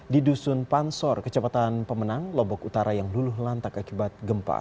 di dusun pansor kecepatan pemenang lombok utara yang dulu lantak akibat gempa